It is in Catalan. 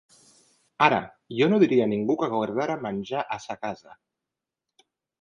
Ara, jo no diria a ningú que guardara menjar a sa casa.